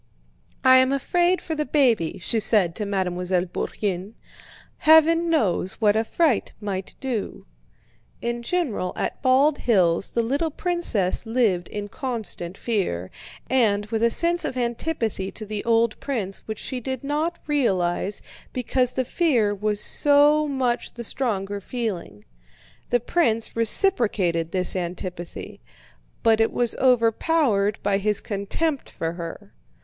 "I am afraid for the baby," she said to Mademoiselle Bourienne: "Heaven knows what a fright might do." In general at Bald Hills the little princess lived in constant fear, and with a sense of antipathy to the old prince which she did not realize because the fear was so much the stronger feeling. The prince reciprocated this antipathy, but it was overpowered by his contempt for her.